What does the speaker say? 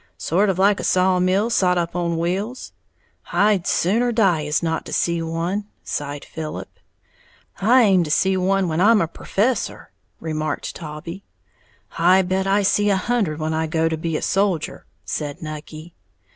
"Sort of like a saw mill sot up on wheels." "I'd sooner die as not to see one!" sighed Philip. "I aim to see one when I'm a perfessor," remarked Taulbee. "I bet I see a hundred when I go to be a soldier," said Nucky.